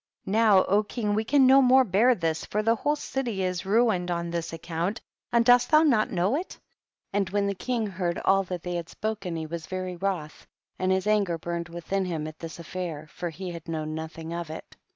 20. Now, king, we can no more bear this, for the whole city is ruin ed on this account, and dost thou not know it ? 21. And when the king heard all that they had spoken he was very wroth, and his anger burned within him at this affair, for he had known nothing of it.